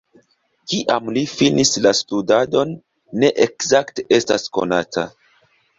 Kiam li finis la studadon ne ekzakte estas konata.